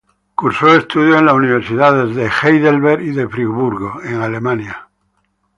Cursó estudios en las universidades de Heidelberg y de Friburgo en Alemania.